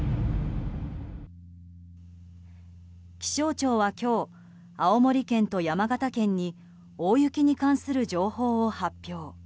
気象庁は今日青森県と山形県に大雪に関する情報を発表。